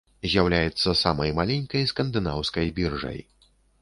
З'яўляецца самай маленькай скандынаўскай біржай.